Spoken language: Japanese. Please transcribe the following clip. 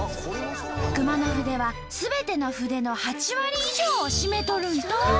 熊野筆はすべての筆の８割以上を占めとるんと！